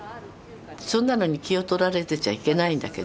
そんなのに気を取られてちゃいけないんだけど。